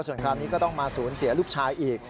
ส่วนคราวนี้ก็ต้องมาสูญเสียลูกชายอีก